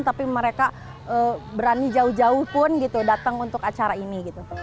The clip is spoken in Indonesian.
tapi mereka berani jauh jauh pun gitu datang untuk acara ini gitu